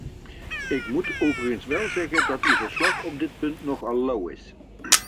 Ik moet overigens wel zeggen dat u verslag op dit punt nogal lauw is.